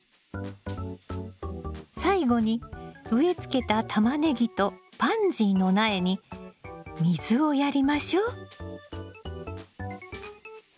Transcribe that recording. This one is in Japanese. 最後に植えつけたタマネギとパンジーの苗に水をやりましょう。